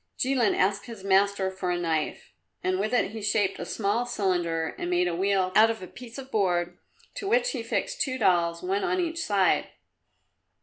Jilin asked his master for a knife, and with it he shaped a small cylinder and made a wheel out of a piece of board, to which he fixed two dolls, one on each side.